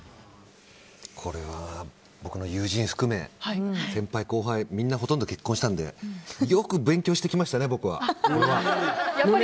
これは、僕の友人含め先輩、後輩みんなほとんど結婚したのでよく勉強してきましたね、僕は。